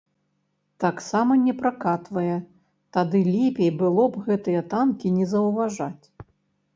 Таксама не пракатвае, тады лепей было б гэтыя танкі не заўважаць.